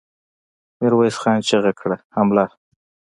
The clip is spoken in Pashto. ميرويس خان چيغه کړه! حمله!